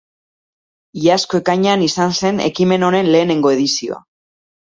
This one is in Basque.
Iazko ekainean izan zen ekimen honen lehenengo edizioa.